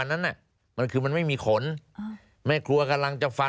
แล้วก็มีแผนที่เขตรักษาพันธุ์สัตว์ป่า